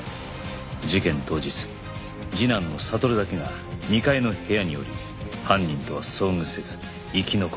事件当日次男の悟だけが２階の部屋におり犯人とは遭遇せず生き残る